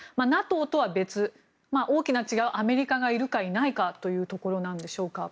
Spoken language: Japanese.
ＮＡＴＯとは別大きな違いはアメリカがいるかいないかというところなんでしょうか。